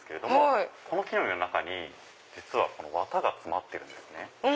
この木の実の中に実は綿が詰まってるんですね。